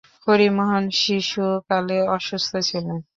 হরিমোহন শিশুকালে অসুস্থ ছিলেন।